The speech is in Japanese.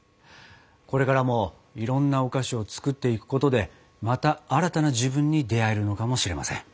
これからもいろんなお菓子を作っていくことでまた新たな自分に出会えるのかもしれません。